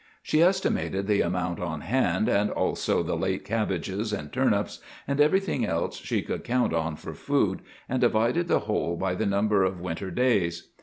She estimated the amount on hand, and also the late cabbages and turnips and everything else she could count on for food, and divided the whole by the number of winter days.